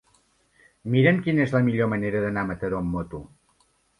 Mira'm quina és la millor manera d'anar a Mataró amb moto.